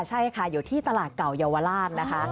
ใช่ค่ะอยู่ที่ตลาดเก่าเยาวราชนะคะ